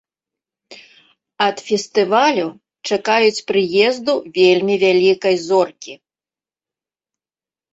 Ад фестывалю чакаюць прыезду вельмі вялікай зоркі.